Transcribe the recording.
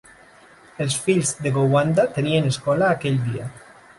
Els fills de Gowanda tenien escola aquell dia.